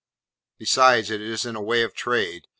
Besides, it is in the way of trade.